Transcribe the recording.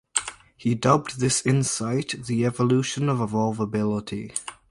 He dubbed this insight "the evolution of evolvability".